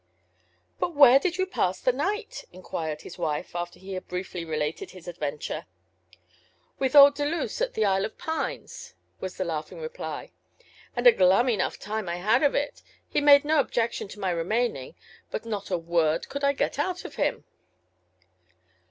ŌĆ£But where did you pass the night? ŌĆØ inquired his wife, after he had briefly related his adventure. ŌĆ£With old Deluse at the ŌĆśIsle of Pines, ŌĆÖŌĆØ was the laughing reply; ŌĆ£and a glum enough time I had of it. He made no objection to my remaining, but not a word could I get out of him.